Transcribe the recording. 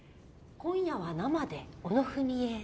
今夜は生で小野文惠。